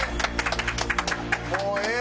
もうええ